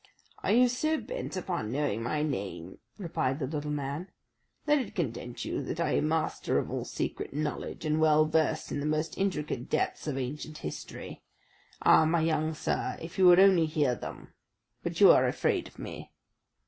"Are you so bent upon knowing my name?" replied the little man. "Let it content you that I am master of all secret knowledge, and well versed in the most intricate depths of ancient history. Ah! my young sir, if you would only hear them! But you are afraid of me."